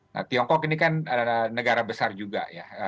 nah tiongkok ini kan negara besar juga ya